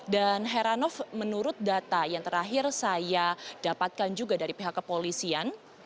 dan heranov menurut data yang terakhir saya dapatkan juga dari pihak kepolisian